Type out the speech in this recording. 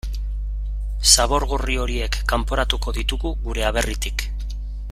Zabor gorri horiek kanporatuko ditugu gure aberritik.